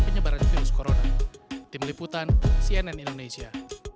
penyebaran virus corona